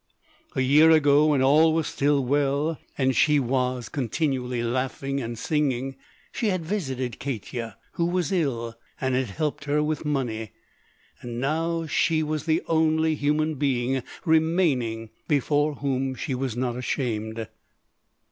A year ago, when all was still well and she was continually laughing and singing, she had visited Katya, who was ill, and had helped her with money, and now she was the only human being remaining before whom she was not ashamed.